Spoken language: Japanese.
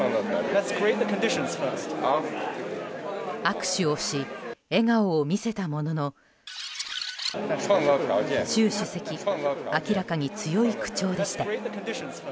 握手をし、笑顔を見せたものの習主席明らかに強い口調でした。